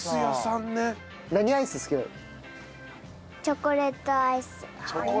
チョコレートアイスか。